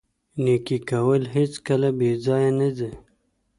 نیکي کول هیڅکله بې ځایه نه ځي.